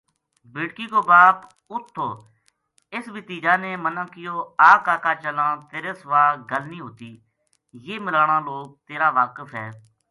بیٹکی کو باپ اُت تھو اِس بھتیجا نے منا کہیو آ کاکا چلاں تیرے سو ا گل نہیہ ہوتی یہ ملاناں لوک تیر ا واقف ہے۔